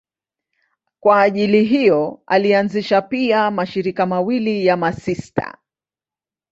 Kwa ajili hiyo alianzisha pia mashirika mawili ya masista.